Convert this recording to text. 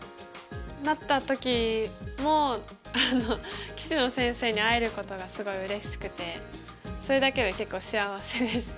なった時も棋士の先生に会えることがすごいうれしくてそれだけで結構幸せでした。